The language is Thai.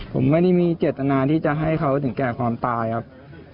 ผมไม่ได้มีเจตนาที่จะให้เขาถึงแก่ความตายครับ